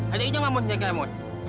ada hijau nggak mau dikira kira mau